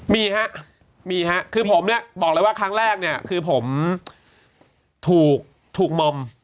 มีฮะมีฮะคือผมเนี่ยบอกเลยว่าครั้งแรกเนี่ยคือผมถูกมอม